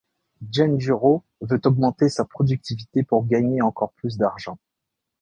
Genjuro veut augmenter sa productivité pour gagner encore plus d'argent.